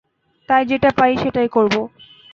তাই, যেটা পারি সেটাই করব!